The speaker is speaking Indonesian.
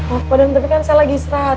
oh pemadam tapi kan saya lagi istirahat